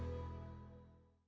hẹn gặp lại